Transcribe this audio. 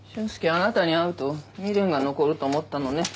あなたに会うと未練が残ると思ったのね。